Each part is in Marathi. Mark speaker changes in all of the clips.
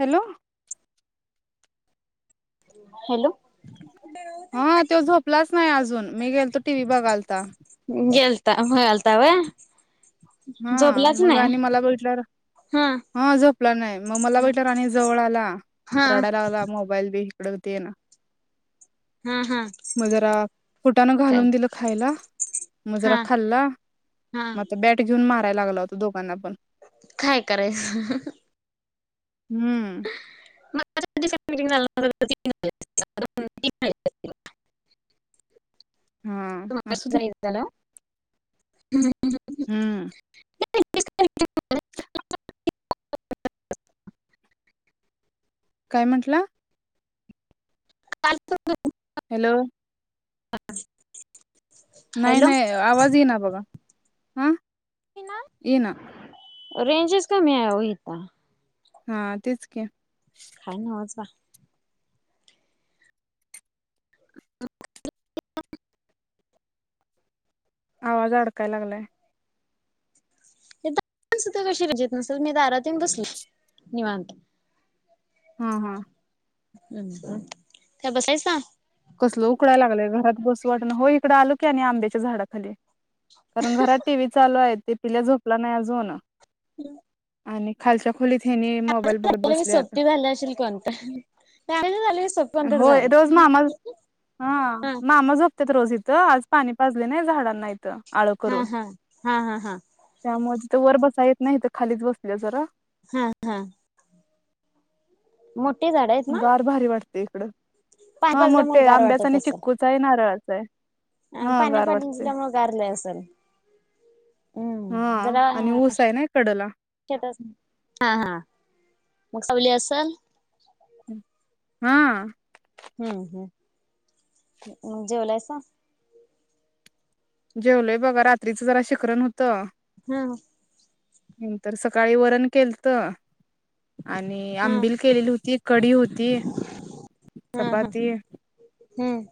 Speaker 1: हॅलो.
Speaker 2: [inaudible]
Speaker 1: हा तो झोपलाच नाही अजून मी गेल तो टी व्ही बघालता.
Speaker 2: गेलता गेलता व्हय
Speaker 1: हा
Speaker 2: झोपलाच
Speaker 1: मग
Speaker 2: नाही
Speaker 1: आणि मला बघितल्यावर हा झपला नाही मग मला बघितला आणि जवळ आला
Speaker 2: हा
Speaker 1: रडायला लागला मोबाईल बी
Speaker 2: हा हा
Speaker 1: [unintelligible] म जरा फुटानं
Speaker 2: काय
Speaker 1: घालून दिलं खायला म जरा
Speaker 2: हा
Speaker 1: खाल्ला
Speaker 2: हा
Speaker 1: म आता ब माराय लागला होता दोघांना पण.
Speaker 2: काय करायचं.
Speaker 1: हम्म
Speaker 2: म. [unintelligible]
Speaker 1: हा असू दे
Speaker 2: [unintelligible] [inaudible]
Speaker 1: हम्म.
Speaker 2: [unintelligible]
Speaker 1: काय म्हंटला?
Speaker 2: [unintelligible]
Speaker 1: हॅलो
Speaker 2: हा
Speaker 1: नाही नाही आवाज येईना बघा. हा येईना
Speaker 2: [unintelligible] रेंजच कमी आहे हो इथं.
Speaker 1: हा तेच की
Speaker 2: काय न्हवेचं बा [unintelligible]
Speaker 1: आवाज अडकाय लागलाय.
Speaker 2: इथं सुद्धा कशी रेंज येत नसेल मी दारात येऊन बसले निवांत.
Speaker 1: हा हा
Speaker 2: काय बसलायसा?
Speaker 1: कसल उकडायला लागलंय घरात बसू वाटना हो इकडे आलो की आणि आंब्याच्या झाडाखाली. कारण घरात टीव्ही चालू आहेत ते पिल्या झोपला नाही अजून
Speaker 2: हॅलो
Speaker 1: आणि खालच्या खोलीत हेनी मोबाईल बघत बसल्यात होय रोज मामा
Speaker 2: [unintelligible]
Speaker 1: हा मामा झोप असतेत रोज इथं आज पाणी पाजले नाही झाडांनाही आळ
Speaker 2: हा
Speaker 1: करून
Speaker 2: हा हा हा हा
Speaker 1: त्यामध्ये तर वर बसता येत नाही तर खालीच बसली जरा
Speaker 2: हा हा मुट
Speaker 1: गार भारी वाट ते इकडं
Speaker 2: पाणी
Speaker 1: हा
Speaker 2: पाजल्यामुळे
Speaker 1: मोठ्ठे आंब्याचा आणि चिक्कूचा आहे नारळ [unintelligible]
Speaker 2: हा पाणी पाजल्यामुळे गार होत असेल? चालेल
Speaker 1: हा आणि ऊस आहे ना कडला.
Speaker 2: शेतात हा हा मग सावली असल? [inaudible]
Speaker 1: हा
Speaker 2: हं हं जेवलायसा?
Speaker 1: जेवलोय बघा रात्रीचं जरा शिखरण होतं.
Speaker 2: हम्म
Speaker 1: तर सकाळी वरण केलतं. आणि
Speaker 2: हा
Speaker 1: आंबिल केलेली होती कडी होती,
Speaker 2: हा हा
Speaker 1: चपाती
Speaker 2: हम्म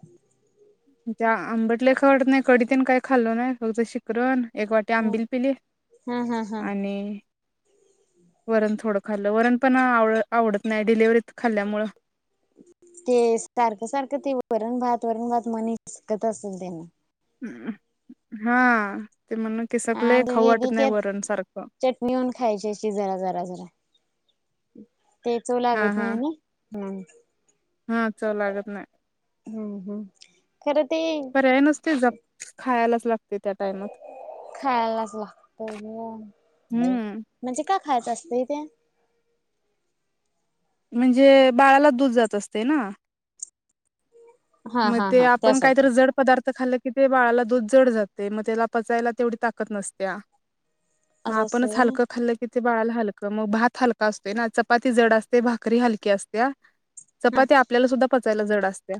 Speaker 1: त्या आंबट लई खावू वाटत नाही कडीतेन काही खाल्लो नाही फक्त शिकरण एक वाटी
Speaker 2: हम्म
Speaker 1: आंबिल पिली
Speaker 2: हा हा हा
Speaker 1: आणि वरण थोडं खाल्लं वरण पण आवडत नाही डिलिव्हरीत खाल्ल्यामुळं
Speaker 2: ते सारखं सारखं ते वरण भात वरण भात मन हिसकत असेल त्यांन
Speaker 1: हा ते म्हणून
Speaker 2: हा
Speaker 1: केसाक लय
Speaker 2: आमची
Speaker 1: खाऊ
Speaker 2: दीदी
Speaker 1: वाटत नाही
Speaker 2: त्यात
Speaker 1: वरण सारखं
Speaker 2: चटणी घेऊन खायची अशी जरा जरा जरा [inaudible] ते चवं
Speaker 1: हा
Speaker 2: लागत
Speaker 1: हा
Speaker 2: नाही हम्म
Speaker 1: हा चवं लागत नाही
Speaker 2: हम्म हम्म खरं ते
Speaker 1: पर्याय नसतोय जप खायला
Speaker 2: खायलाच लागत ग
Speaker 1: हम्म
Speaker 2: म्हणजे का खायच असतेयं ते
Speaker 1: म्हणजे बाळाला दूध जात असते ना
Speaker 2: हा
Speaker 1: मग
Speaker 2: हा
Speaker 1: ते
Speaker 2: हा
Speaker 1: आपण
Speaker 2: त्यासाठी.
Speaker 1: कायतरी जड पदार्थ खाल्ल कि ते बाळाला दूध जड जात मग त्याला पचायला तेवढी ताकद नसत्या मग
Speaker 2: असं
Speaker 1: आपणच
Speaker 2: असतंय
Speaker 1: हलकं
Speaker 2: व्हय.
Speaker 1: खाल्लं कि बाळाला हलक मग भात हलका असतोय ना चपाती जड असते भाकरी हलकी असत्या चपाती आपल्याला सुद्धा पचायला जड असते.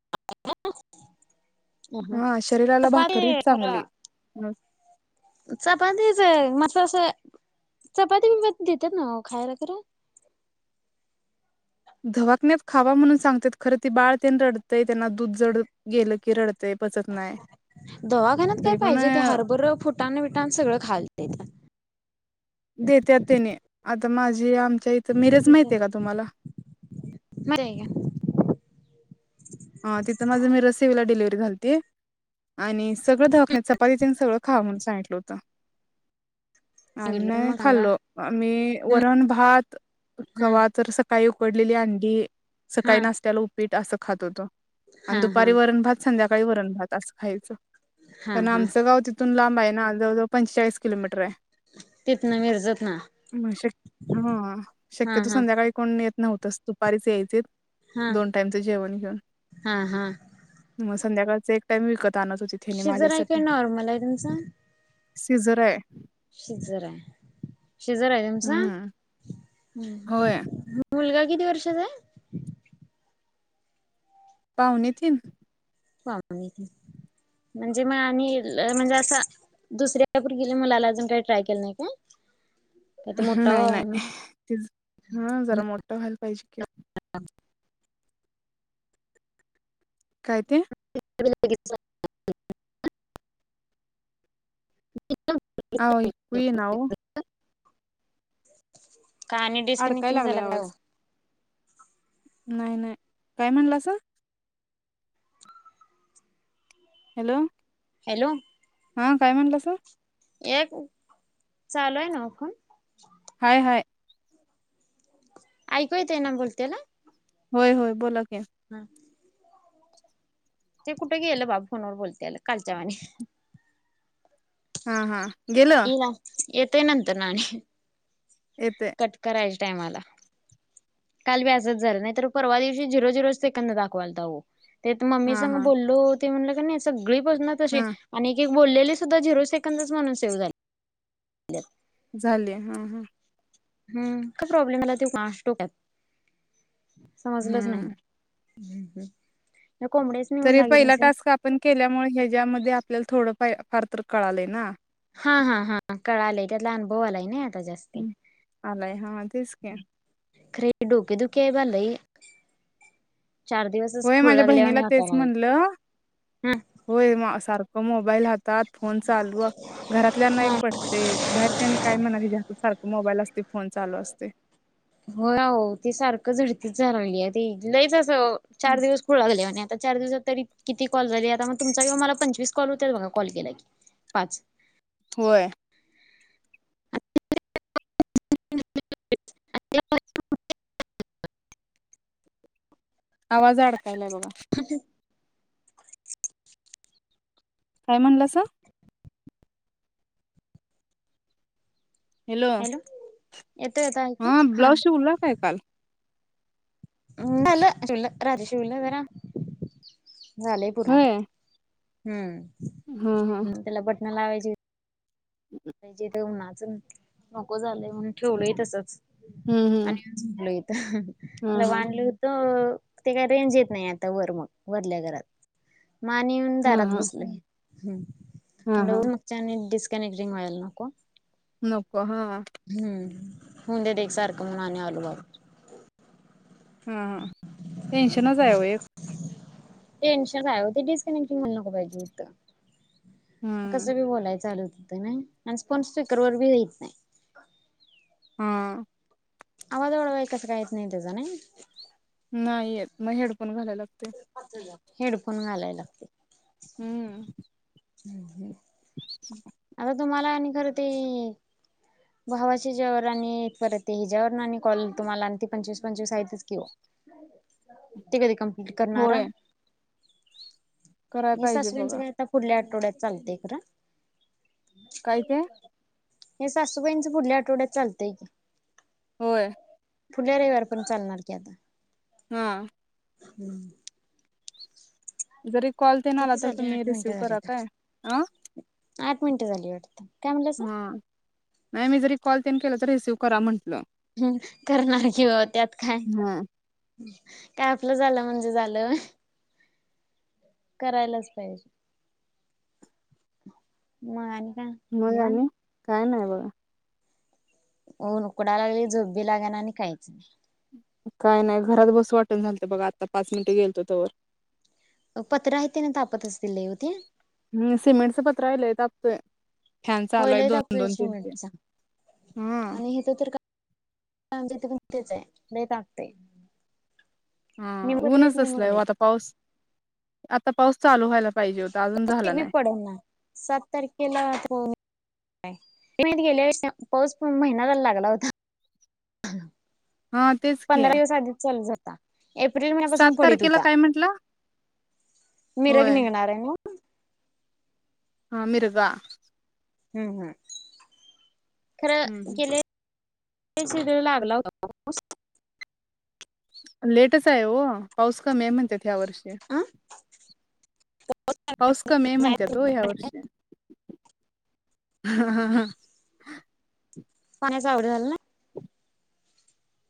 Speaker 2: [inaudible]
Speaker 1: हा शरीराला
Speaker 2: चपाती
Speaker 1: भाकरीच
Speaker 2: खर
Speaker 1: चांगली अ,
Speaker 2: चपाती च मगं तस चपाती बपाती देतेतं ना खायला खरं
Speaker 1: धवाकण्यात खावा म्हणून सांगतात खरं ती बाळ तेन रडतंय त्यांना दूध जड गेलं की रडत
Speaker 2: दवाखान्यात काय
Speaker 1: तरी पण
Speaker 2: पाहिजे ते
Speaker 1: अ,
Speaker 2: हरभरं फुटाणं विटाण सगळं खायाला देत्यात
Speaker 1: देत्यातं त्यानी आता माझी आम आमच्या इथं मिरज माहिती आहे का तुम्हाला
Speaker 2: आहे का
Speaker 1: अ तिथं माझं मिरज सेविला डिलव्हरी झालती आणि सगळं दवाखान्यात चपाती तेन सगळं खावा म्हणून [inaudible] होतं आम्ही
Speaker 2: सांगितलं
Speaker 1: नाही
Speaker 2: मग सांगा
Speaker 1: खाल्लो आम्ही वरण भात
Speaker 2: हा
Speaker 1: कवा तर सकाळी उकडलेली अंडी.
Speaker 2: हा
Speaker 1: सकाळी नाष्ट्याला उप पीट असं खात होतो.
Speaker 2: हा
Speaker 1: आणि
Speaker 2: हा
Speaker 1: दुपारी वरण भात संध्या [unintelligible] वरण भात असं खायचो.
Speaker 2: हा
Speaker 1: कारण
Speaker 2: हा.
Speaker 1: आमचं गाव तिथ लांब आहे ना, जवळजवळ पंचेचाळीस किलोमीटर हाय.
Speaker 2: तिथनं मिरजत ना
Speaker 1: अं शक हां
Speaker 2: हा
Speaker 1: शक्यतो
Speaker 2: हा
Speaker 1: संध्याकाळी कोण येत नव्हतस दुपारीच यायचेत.
Speaker 2: हा
Speaker 1: दोन टाईमच जेवण घेऊन.
Speaker 2: हा हा.
Speaker 1: मग संध्याकाळचा एक टाइम विक
Speaker 2: सिजर आहे काय नॉर्मल आहे तुमचं?
Speaker 1: सिजर हाय.
Speaker 2: सिजर‌ हाय. सिजर हाय तुमचं?
Speaker 1: हम्म
Speaker 2: हम
Speaker 1: होय
Speaker 2: मग मुलगा किती वर्षाचा हाय?
Speaker 1: पावणे तीन.
Speaker 2: पावणे तीन म्हणजे, मग आणि म्हणजे असं दुसऱ्या पोरगीला मुलाला अजून काय ट्राय केलं नाही काय? का तो मोठा
Speaker 1: नाही
Speaker 2: व्हावा
Speaker 1: नाही
Speaker 2: म्हणून?
Speaker 1: ते हं जरा मोठं व्हायला पाहिजे की. काय ते?
Speaker 2: [unintelligible]
Speaker 1: ऐकू येईना ओ.
Speaker 2: [inaudible] का आणि डिस
Speaker 1: अडकाय
Speaker 2: कनेक्टिंग
Speaker 1: लागलाय
Speaker 2: झाला काय हो?
Speaker 1: आवाज नाही नाही काय म्हणलासा? हॅलो.
Speaker 2: हॅलो.
Speaker 1: हां काय म्हणलासा,
Speaker 2: एक, चालू आहे नव फोन.
Speaker 1: हाय हाय.
Speaker 2: ऐकू येतय ना बोलत्याल.
Speaker 1: होय होय बोला. की
Speaker 2: हम्म. ते कुठे गेलं, बा फोनवर बोलतेलं कालच्या वाणी.
Speaker 1: हा हा. गेलं
Speaker 2: इना येत ते नंतरनं आणि
Speaker 1: येते
Speaker 2: कट कराय टायमाला काल बी असंच झालं नाही तर परवा दिवशी झिरो झिरोच सेकंद दाखवालतं हो ते मम्मी
Speaker 1: हा
Speaker 2: संग
Speaker 1: हा
Speaker 2: बोललो ते म्हटलं की नाही सगळी पस न तशी
Speaker 1: हा
Speaker 2: आणि बोललेले सुद्धा झिरो सेकंदच म्हणून सेव झाले.
Speaker 1: झाले हा हा
Speaker 2: हम्म काय प्रॉब्लेम आला ते कोणास ठाऊक समजलंच नाही.
Speaker 1: हम्म
Speaker 2: हं हं
Speaker 1: तरी पहिला टास्क आपण केल्यामुळे ह्याच्यामध्ये आपल्याला थोडं फार तर कळालय ना
Speaker 2: हा हा हा कळालायं त्यातला अनुभव आलाय नाही आता जास्त
Speaker 1: आलाय हा तेच की
Speaker 2: खरे डोकेदुखी आहे बा लई चार दिवसच
Speaker 1: होय
Speaker 2: खुळ
Speaker 1: माझ्या बहिणीला
Speaker 2: लागल्यावाणी
Speaker 1: तेच
Speaker 2: वाटायला
Speaker 1: म्हटलं
Speaker 2: लागलय
Speaker 1: होय सार म मोबाईल हात तात फोन चालू घरातल्याना एक
Speaker 2: हा
Speaker 1: पटते बाहेर काय म्हणणार हिच्या हातात सारखं मोबाईल असते फोन चालू असते
Speaker 2: होयं अव्ह ते सारखं झडतीच झाली ते अव चार दिवस खूळ लागल्या वाणी आता चार दिवसात तरी किती कॉल झाली आता मग तुमचा हा मला पंचवीस कॉल होत्यात बघा कॉल केला की पाच
Speaker 1: होय
Speaker 2: [unintelligible]
Speaker 1: आवाज अडकायला बघा काय म्हणलासा? हॅलो
Speaker 2: येतोय आता ऐकू
Speaker 1: हा ब्लाऊज शिवला काय काल?
Speaker 2: झालं शिवला रात्री शिवलं जरा झालंय पुर्ण
Speaker 1: होय
Speaker 2: आता हं
Speaker 1: हा हा
Speaker 2: नाला वयची नको झालंय म्हणून ठेवलंय तसंच
Speaker 1: हम्म
Speaker 2: आणि
Speaker 1: हम्म
Speaker 2: येऊन झोपलोय
Speaker 1: हा
Speaker 2: इथं
Speaker 1: हा
Speaker 2: लवांडलो होतो. ते काय रेंज येत नाही आता वर मग वरल्या घरात. म आणि येऊन
Speaker 1: हा
Speaker 2: दारात
Speaker 1: हा
Speaker 2: बसलोय. हम्म.
Speaker 1: हा हा
Speaker 2: ऊन [unintelligible] [unintelligible] व्हायला नको.
Speaker 1: नको. हा हा
Speaker 2: हम्म. हु देत एक सारखं म्हणून आणि आलो बाबा
Speaker 1: हा हा टेन्शनच आहे व एक
Speaker 2: टेन्शन हाय डिस्कनेक्टिंग वायला नको पाहिजे होत.
Speaker 1: हम्म
Speaker 2: कसं बी बोलाय चालू. अन फन स्पीकर वर भी यत नाहीय.
Speaker 1: हा.
Speaker 2: आवाज वाढवाय कसा काय येत नाही तेजा नाही.
Speaker 1: नाही येत मग हेडफोन घालायला लागतो.
Speaker 2: हेडफोन घालाय लागतंय.
Speaker 1: हम्म
Speaker 2: हम्म ह.
Speaker 1: [unintelligible]
Speaker 2: आता तुम्हाला आणि खरं ते भावाच्या ह्याच्यावर आणि परत ही ज्यावर आणि कॉल तुम्हाला आणि ते पंचवीस पंचवीस आहेतच की हो ते कधी कंप् लीट करनारा
Speaker 1: होय कराय
Speaker 2: मी
Speaker 1: पाहिजे
Speaker 2: सासूबाईच
Speaker 1: बघा
Speaker 2: काय आता पुुढल्या आठवड्यात चालतय खर. [inaudible]
Speaker 1: काय ते
Speaker 2: हे सासूबाईंचं पुढल्या आठवड्यात चालतंय की,
Speaker 1: होय.
Speaker 2: पुढ्याला रविवार पर्यंत चालणार की आता
Speaker 1: हा.
Speaker 2: हम्म.
Speaker 1: जरी कॉल तेन आला तर
Speaker 2: झाले? आठ
Speaker 1: तुम्ही
Speaker 2: मिनिटं
Speaker 1: रिसीव्ह
Speaker 2: झाली
Speaker 1: करा काय
Speaker 2: वाटतं.
Speaker 1: हा.
Speaker 2: आठ मिनिटं झाली वाढतं.
Speaker 1: हम्म. नाही मी जरी कॉल तेन केलं रिसीव्ह करा म्हण.
Speaker 2: हम्म करणार किवा त्यात काय
Speaker 1: हा
Speaker 2: काय आपलं झालं म्हणजे झालं. करायलाच पाहिजे म आण का
Speaker 1: मग
Speaker 2: निवांत.
Speaker 1: आणि काय नाही बघा.
Speaker 2: ओ उकडा लागली झोपबी लागाना आणि काहीच नाही.
Speaker 1: काय नाही घरात बसू वाटना झालत बघा आता पाच मिनिटं गेलतो तवर
Speaker 2: पत्रा आहे ते न तापत असतील लय हो ते.
Speaker 1: हम्म सिमेंटच पत्रा हाय लय तापतोय. फॅन चालू
Speaker 2: होई
Speaker 1: आहे
Speaker 2: लय
Speaker 1: दोन
Speaker 2: तापतोय
Speaker 1: दोन तीन तीन.
Speaker 2: शिमेंटचा
Speaker 1: हम्म.
Speaker 2: आणि हेथ तर काय [unintelligible] तेच हाय लई तापतय.
Speaker 1: हा ऊनच असलाय हो आता पाऊस आ आता पाऊस चालू व्हायला पाहिजे हो
Speaker 2: तेबि पडणा सात तारखेला होन मे महिन्यात गेल्यावर्षा पाऊस पण महिना झाला लागला होता.
Speaker 1: हा तेच की
Speaker 2: पंधरा दिवस आधीच चालू झाल ता एप्रिल
Speaker 1: सात
Speaker 2: महिन्यापासून पडीत
Speaker 1: तारखेला
Speaker 2: होता.
Speaker 1: काय म्हंटला
Speaker 2: मिरग
Speaker 1: होय
Speaker 2: निघणार हाय न
Speaker 1: हा मिरगा.
Speaker 2: हम्म हम्म. खरं
Speaker 1: हम्म.
Speaker 2: गेल्या पैसे देऊ लागला हो [unintelligible]
Speaker 1: लेटच आहे हो, पाऊस कमी आहे म्हणत्यात. ह्या वर्षी
Speaker 2: होता
Speaker 1: पाऊस कमीय म्हणत्यात ओ ह्या वर्षी. हा हा हा.
Speaker 2: पाण्याच आवड झालं न्ना.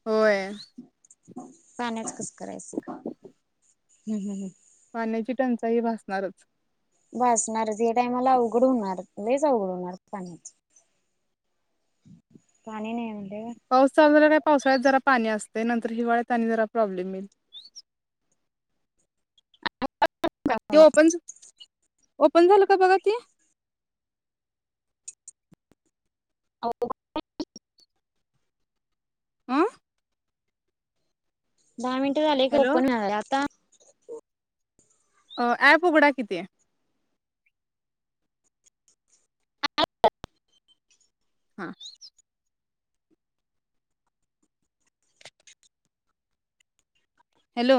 Speaker 1: होय.
Speaker 2: पाण्याचं कस करायचं हुं हुं हुं.
Speaker 1: पाण्याची टंचाई भासणारच.
Speaker 2: भासणारच य टायमला अवघड होणार लईच अवघड होणार पाण्याच पाणी नै
Speaker 1: पाऊस चालू झाल्या पावसाळ्यात जरा पाणी असतय नंतर हिवाळ्यात आणि जरा प्रॉब्लेम येईल. त्यो ओपन ओपन झालं का बघा ती.
Speaker 2: आव [unintelligible]
Speaker 1: अ
Speaker 2: दहा मिनटं झाले खरं
Speaker 1: हॅलो
Speaker 2: ओपन व्हायलय आता?
Speaker 1: अ ॲप उघडा की ते. हा. हॅलो.